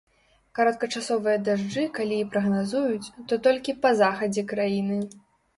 Кароткачасовыя дажджы калі і прагназуюць, то толькі па захадзе краіны.